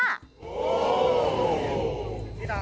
โอ้โฮ